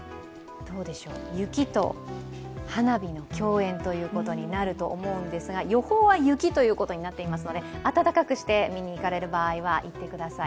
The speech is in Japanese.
雪と花火の競演ということになると思うんですが、予報は雪ということになっていますので暖かくして、見に行かれる場合はしてください。